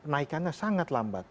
naikannya sangat lambat